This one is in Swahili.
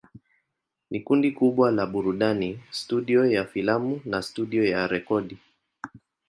Ni kundi kubwa la burudani, studio ya filamu na studio ya rekodi.